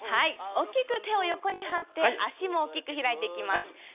大きく手を横に張って足も大きく開いていきます。